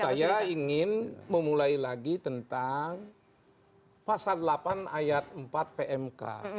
saya ingin memulai lagi tentang pasal delapan ayat empat pmk